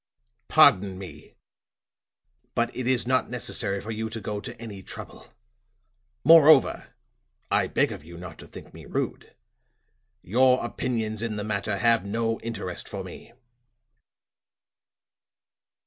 "Pardon me! But it is not necessary for you to go to any trouble. Moreover I beg of you not to think me rude your opinions in the matter have no interest for me."